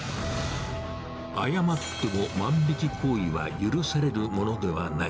謝っても、万引き行為は許されるものではない。